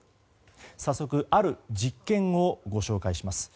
早速、ある実験をご紹介します。